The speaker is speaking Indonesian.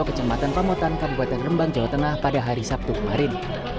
kecamatan pamotan kabupaten rembang jawa tengah pada hari sabtu kemarin